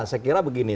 saya kira begini